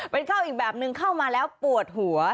เป็นเข้าอีกแบบนึงเข้ามาแล้วปวดหัว